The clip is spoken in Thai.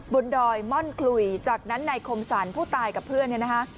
ดอยม่อนคลุยจากนั้นนายคมสรรผู้ตายกับเพื่อนเนี่ยนะคะ